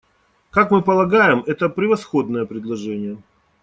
Как мы полагаем, это превосходное предложение.